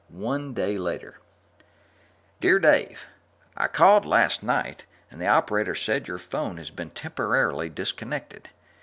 Dear Dave, I called last night, and the operator said your phone has been temporarily disconnected.